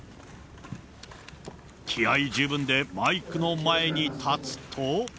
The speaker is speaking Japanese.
気合い十分でマイクの前に立つと。